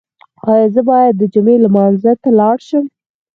ایا زه باید د جمعې لمانځه ته لاړ شم؟